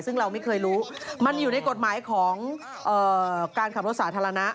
ซึ่งเราไม่เคยรู้มันอยู่ในกฎหมายของการขับรถสาธารณะ